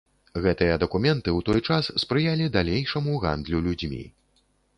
Гэтыя дакументы ў той час спрыялі далейшаму гандлю людзьмі.